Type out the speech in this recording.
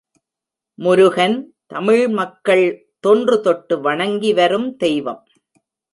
முருகன், தமிழ் மக்கள் தொன்று தொட்டு வணங்கி வரும் தெய்வம்.